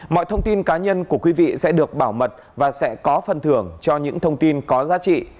mọi thông tin cá nhân của quý vị sẽ được bảo mật và sẽ có phần thưởng cho những thông tin có giá trị